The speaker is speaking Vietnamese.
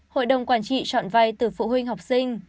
hội đồng quản trị chọn vay từ phụ huynh học sinh